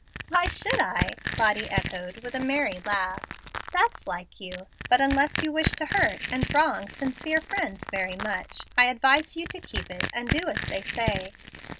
"Why should I?" Lottie echoed with a merry laugh. "That's like you. But, unless you wish to hurt and wrong sincere friends very much, I advise you to keep it and do as they say.